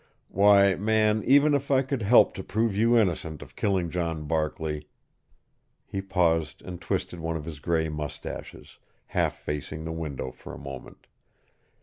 Why, man, even if I could help to prove you innocent of killing John Barkley " He paused and twisted one of his gray mustaches, half facing the window for a moment.